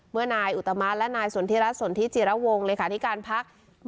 เมื่อนายอุตมะและนายสนทิรัฐสนทิจิระวงเลขาธิการพัก